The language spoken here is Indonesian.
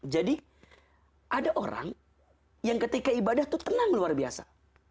jadi ada orang yang ketika ibadah itu tenang luar biasa